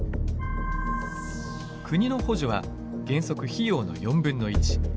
国の補助は原則費用の４分の１。